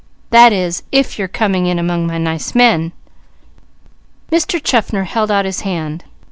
That is, if you're coming in among my nice men " Mr. Chaffner held out his hand.